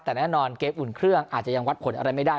แต่แน่นอนเกมอุ่นเครื่องอาจจะยังวัดผลอะไรไม่ได้